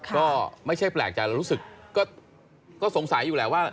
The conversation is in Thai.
ก็ไม่ใช่แปลกใจเรารู้สึกก็สงสัยอยู่แหละว่า